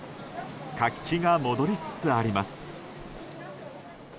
活気が戻りつつあります。